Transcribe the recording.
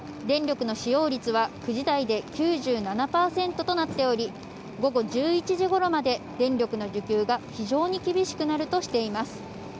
電力の使用率は９時台で９７％となっており、午後１１時頃まで電力の需給が非常に厳しくなるとしています。